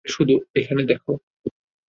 শুধু এখানে দেখ!